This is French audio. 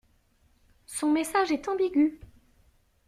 Son message est ambigu.